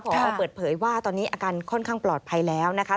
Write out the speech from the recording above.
พอเปิดเผยว่าตอนนี้อาการค่อนข้างปลอดภัยแล้วนะคะ